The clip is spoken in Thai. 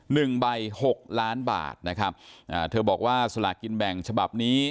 หนึ่งใบหกล้านบาทนะครับอ่าเธอบอกว่าสลากกินแบ่งฉบับนี้